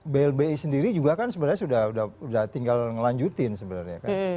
blbi sendiri juga kan sebenarnya sudah tinggal ngelanjutin sebenarnya kan